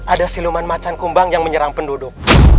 ada siluman macan kumbang yang menyerang penduduk